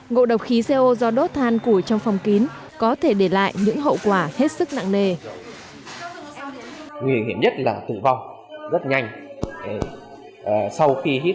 ngộ độc khí co do đốt than củi trong phòng kín có thể để lại những hậu quả hết sức nặng nề